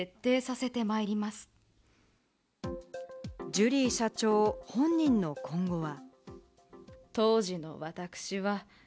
ジュリー社長本人の今後は。